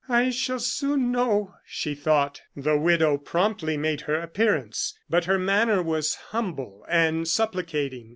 "I shall soon know," she thought. The widow promptly made her appearance; but her manner was humble and supplicating.